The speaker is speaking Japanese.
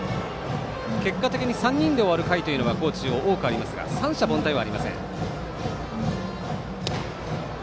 結果的に３人で終わる回というのが高知中央多くありますが三者凡退はありません。